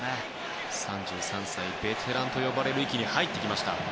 ３３歳ベテランの域に入ってきました。